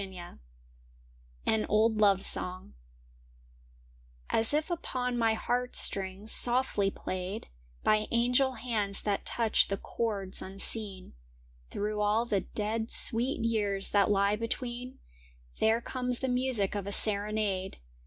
["] Hn ©lb %ovc Song S if upon my heart strings softly played By angel hands that touch the chords unseen, Through all the dead sweet years that lie between, There comes the music of a serenade.